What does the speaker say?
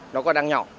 nó còn đang nhỏ